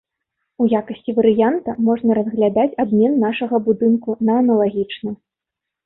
У якасці варыянта можна разглядаць абмен нашага будынку на аналагічны.